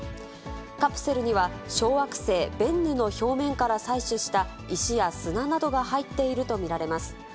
カプセルには小惑星ベンヌの表面から採取した石や砂などが入っていると見られます。